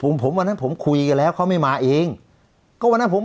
ผมผมวันนั้นผมคุยกันแล้วเขาไม่มาเองก็วันนั้นผม